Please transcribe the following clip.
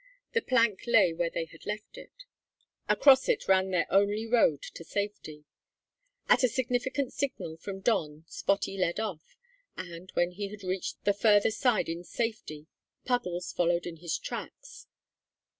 The plank lay where they had left it. Across it ran their only road to safety. At a significant signal from Don Spottie led off, and, when he had reached the further side in safety, Puggles followed in his tracks.